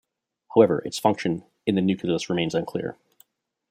However, its function in the nucleus remains unclear.